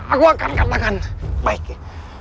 aku akan katakan baiknya